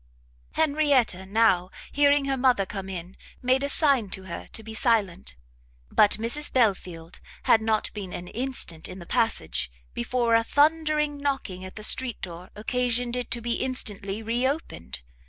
Henrietta now, hearing her mother coming in, made a sign to her to be silent; but Mrs Belfield had not been an instant in the passage, before a thundering knocking at the street door occasioned it to be instantly re opened.